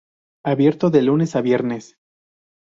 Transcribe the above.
Abierto de lunes a viernes.